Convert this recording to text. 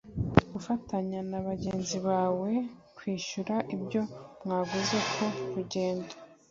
gufatanya na bagenzi bawe kwishyura ibyo mwaguze ku rugendo